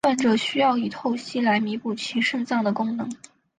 患者需要以透析来弥补其肾脏的功能。